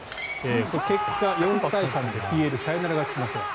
結果、４対３でＰＬがサヨナラ勝ちしました。